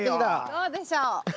どうでしょう？